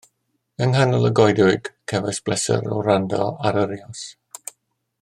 Yng nghanol y goedwig cefais bleser o wrando ar yr eos